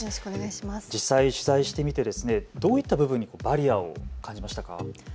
実際取材してみてどういった部分にバリアを感じましたか。